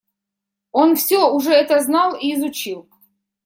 Он всё уже это знал и изучил.